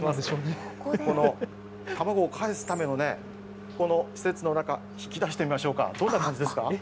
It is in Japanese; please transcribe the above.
卵をかえすためのこの施設の中、引き出してみましょうか、どんな感じですか。